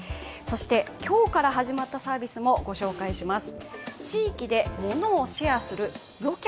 今日から始まったサービスもご紹介します。